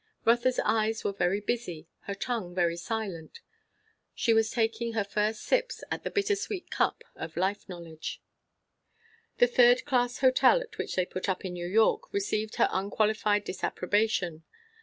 Rotha's eyes were very busy, her tongue very silent. She was taking her first sips at the bitter sweet cup of life knowledge. The third class hotel at which they put up in New York received her unqualified disapprobation.